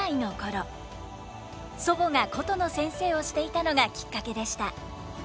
祖母が箏の先生をしていたのがきっかけでした。